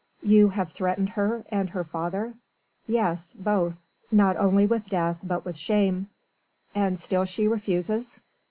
"You have threatened her and her father?" "Yes both. Not only with death but with shame." "And still she refuses?"